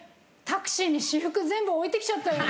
タクシーに私服全部置いてきちゃったよ。